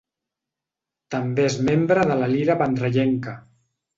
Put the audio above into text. També és membre de La Lira Vendrellenca.